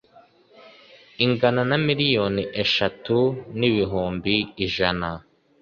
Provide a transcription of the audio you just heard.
Ingana na miliyoni eshatu n ibihumbi ijana